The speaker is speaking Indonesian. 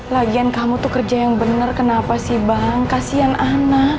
lagian kamu tuh kerja yang benar kenapa sih bang kasian anak